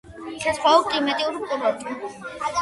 საზღვაო კლიმატური კურორტი.